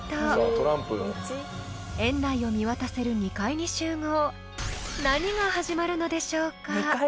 ［園内を見渡せる２階に集合何が始まるのでしょうか］